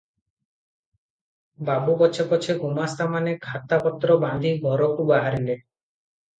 ବାବୁ ପଛେ ପଛେ ଗୁମାସ୍ତାମାନେ ଖାତାପତ୍ର ବାନ୍ଧି ଘରକୁ ବାହାରିଲେ ।